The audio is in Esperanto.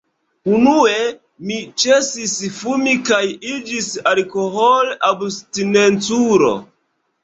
Unue mi ĉesis fumi kaj iĝis alkohol-abstinenculo.